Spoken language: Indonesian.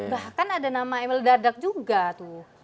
bahkan ada nama emil dadak juga tuh